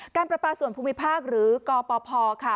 ประปาส่วนภูมิภาคหรือกปพค่ะ